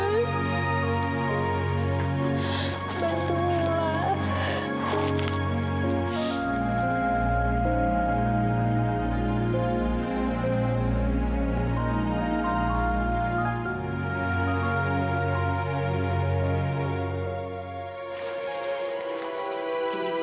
semoga mereka memiliki kemampuan